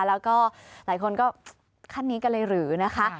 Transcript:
แล้วก็หลายคนก็ขั้นนี้กันเลยหรือนะคะ